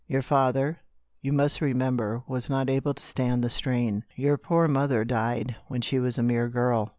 Your father, you must remember, was not able to stand the strain ; your poor mother died when she was a mere girl.